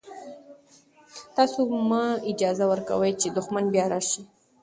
تاسو مه اجازه ورکوئ چې دښمن بیا راشي.